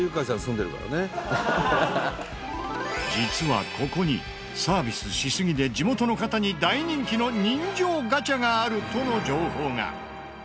実はここにサービスしすぎで地元の方に大人気の人情ガチャがあるとの情報が！